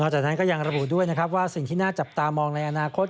จากนั้นก็ยังระบุด้วยนะครับว่าสิ่งที่น่าจับตามองในอนาคต